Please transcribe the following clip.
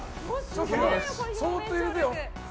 そーっと入れてよ。